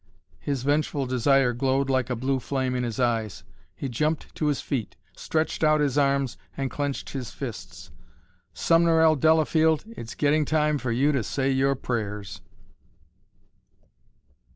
His vengeful desire glowed like a blue flame in his eyes. He jumped to his feet, stretched out his arms, and clenched his fists. "Sumner L. Delafield, it's getting time for you to say your prayers!"